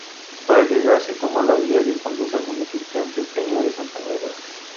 Para llegar se toma la vía que conduce al municipio antioqueño de Santa Bárbara.